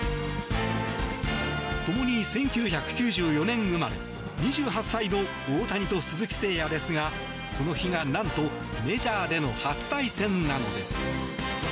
ともに１９９４年生まれ２８歳の大谷と鈴木誠也ですがこの日が、なんとメジャーでの初対戦なのです。